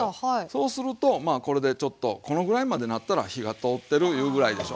そうするとまあこれでちょっとこのぐらいまでなったら火が通ってるいうぐらいでしょ。